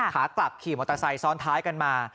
ขากลับขี่มอเตอร์ไซค์ซ้อนท้ายกันมา